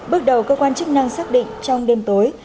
bước đầu cơ quan chức năng xác định trong đêm tối